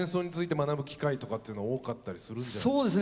学ぶ機会とかっていうのは多かったりするんじゃないですか？